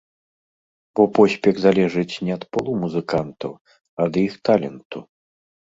Бо поспех залежыць не ад полу музыкантаў, а ад іх таленту.